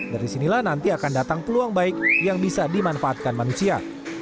dari sinilah nanti akan datang peluang baik yang bisa dimanfaatkan manusia